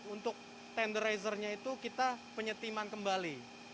untuk tenderaizernya itu kita penyetiman kembali